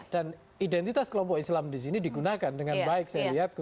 dan identitas kelompok islam di sini digunakan dengan baik saya lihat